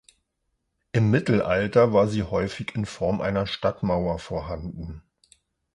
Im Mittelalter war sie häufig in Form einer Stadtmauer vorhanden.